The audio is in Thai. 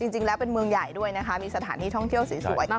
จริงแล้วเป็นเมืองใหญ่ด้วยนะคะมีสถานที่ท่องเที่ยวสวย